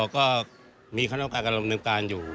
ก็มีขั้นโอกาสการดำเนินการอยู่